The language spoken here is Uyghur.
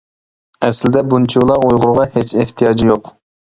ئەسلىدە بۇنچىۋالا ئۇيغۇرغا ھېچ ئېھتىياجى يوق.